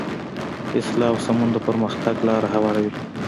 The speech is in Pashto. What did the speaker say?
اصلاح او سمون د پرمختګ لاره هواروي.